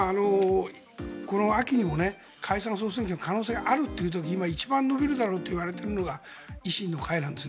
この秋には解散総選挙の可能性があるという時に今一番伸びるだろうといわれているのが維新の会なんです。